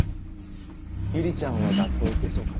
悠里ちゃんは学校へ行けそうかな？